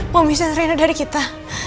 mau misi rena dari kita